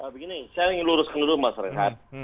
begini saya ingin luruskan dulu mas rehat